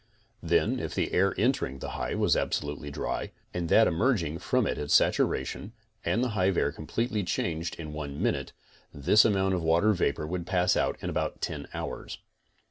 Then if the air entering the hive was absolutely dry, and that emerging from it at satur ation, and the hive air completely changed in one minute, this amount of water vapor would pass out in about 10 hours.